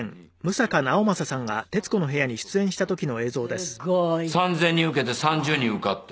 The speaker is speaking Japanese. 「すごい」「３０００人受けて３０人受かって」